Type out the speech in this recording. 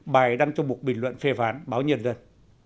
bài đăng trong một bình luận phê phán báo nhân dân